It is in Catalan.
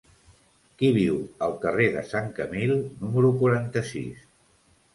Qui viu al carrer de Sant Camil número quaranta-sis?